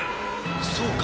そうか。